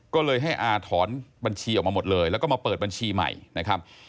ก็เลยให้อาถอนบัญชีออกมาหมดเลยแล้วก็มาเปิดบัญชีใหม่นะครับ